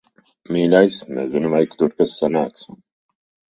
Mīļais, nezinu, vai tur kas sanāks.